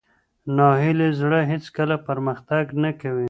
ناهیلي زړه هېڅکله پرمختګ نه کوي.